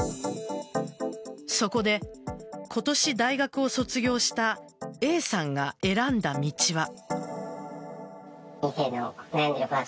そこで今年、大学を卒業したＡさんが選んだ道は。